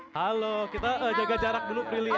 halo kita jaga jarak dulu prilly ya